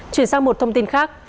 chuyển sang một thông tin khác